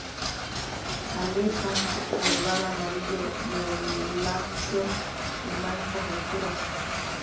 Aleta caudal amarillo violáceo y manchas oscuras.